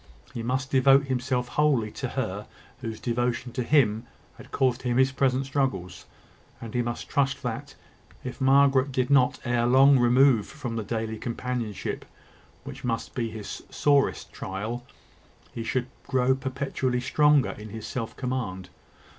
He must devote himself wholly to her whose devotion to him had caused him his present struggles; and he must trust that, if Margaret did not ere long remove from the daily companionship which must be his sorest trial, he should grow perpetually stronger in his self command.